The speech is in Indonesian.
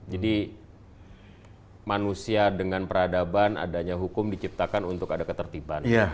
jadi manusia dengan peradaban adanya hukum diciptakan untuk ada ketertiban